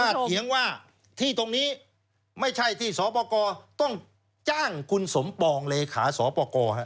เถียงว่าที่ตรงนี้ไม่ใช่ที่สปกรต้องจ้างคุณสมปองเลขาสอปกร